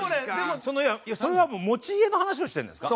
それは持ち家の話をしてるんですか？